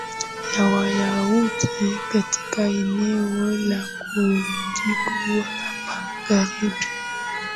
ya wayahudi katika eneo la ukingo wa magharibi